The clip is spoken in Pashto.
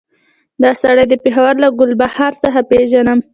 دغه سړی د پېښور له ګلبهار څخه پېژنم.